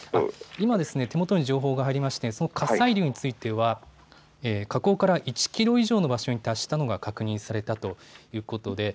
今、手元に情報が入りまして火砕流については火口から１キロ以上の場所に達したことが確認されたということです。